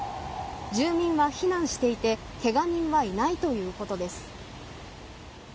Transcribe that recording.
住民は避難していて怪我人はいないということです。